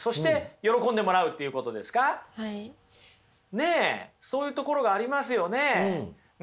ねっそういうところがありますよね。